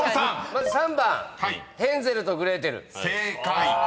まず３番「ヘンゼルとグレーテル」［正解！］